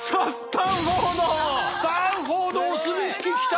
スタンフォードお墨付ききた！